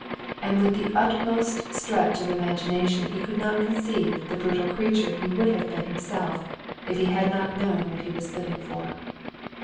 And with the utmost stretch of imagination he could not conceive the brutal creature he would have been himself, if he had not known what he was living for.